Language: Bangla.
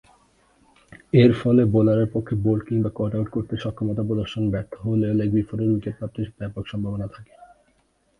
এরফলে বোলারের পক্ষে বোল্ড কিংবা কট-আউট করতে সক্ষমতা প্রদর্শনে ব্যর্থ হলেও লেগ বিফোর উইকেট প্রাপ্তির ব্যাপক সম্ভাবনা থাকে।